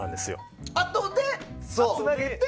あとでつなげて。